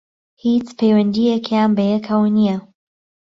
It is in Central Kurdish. هیچ پەیوەندییەکیان بەیەکەوە نییە